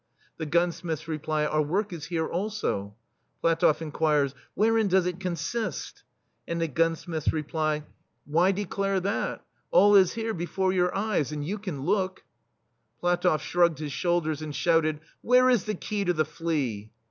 The gunsmiths reply : "Our work is here, also. PlatofF inquires :" Wherein does it consist ?And the gunsmiths reply: "Why THE STEEL FLEA declare that? All is here, before your eyes — and you can look/* PlatofF shrugged his shoulders and shouted: "Where is the key to the flea?"